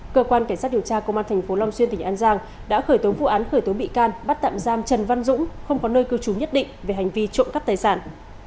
cơ quan cảnh sát điều tra công an tp long xuyên tỉnh an giang đã khởi tố vụ án khởi tố bị can bắt tạm giam trần văn dũng không có nơi cư trú nhất định về hành vi trộm cắp tài sản